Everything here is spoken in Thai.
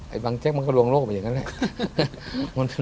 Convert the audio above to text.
ไอ้บางแจ๊คมันก็รวงโลกแบบนี้แหละ